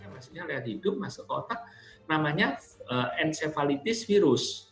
maksudnya lewat hidup masuk ke otak namanya encephalitis virus